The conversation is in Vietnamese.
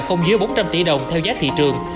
không dưới bốn trăm linh tỷ đồng theo giá thị trường